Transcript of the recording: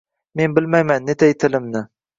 Men bilmayman netay tilimni –